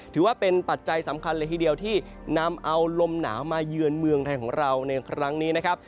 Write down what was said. ปัจจัยสำคัญเลยทีเดียวที่นำเอาลมหนาวมาเยือนเมืองไทยของเราในครั้งนี้นะครับ